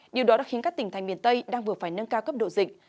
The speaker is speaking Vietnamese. điều đó đã khiến các tỉnh thành miền tây đang vừa phải nâng cao cấp độ dịch